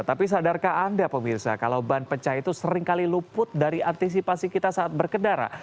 tapi sadarkah anda pemirsa kalau ban pecah itu seringkali luput dari antisipasi kita saat berkendara